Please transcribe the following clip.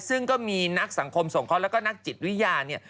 ซึ่งก็มีนักสังคมส่งค้อนและก็นักจิตวิญญาณ